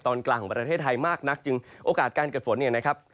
ตอนกลางของประเทศไทยมากนักจึงโอกาสการเกิดฝนเนี่ยนะครับ